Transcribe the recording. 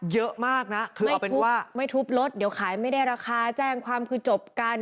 เยอะมากนะคือว่าไม่ทุบรถเดี๋ยวขายไม่ได้ราคาแจ้งความคือจบกัน